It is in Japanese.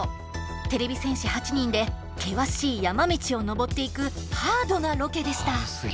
てれび戦士８人で険しい山道を登っていくハードなロケでした。